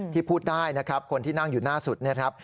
พูดได้นะครับคนที่นั่งอยู่หน้าสุดเนี่ยครับ